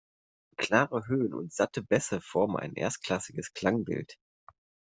Klare Höhen und satte Bässe formen ein erstklassiges Klangbild.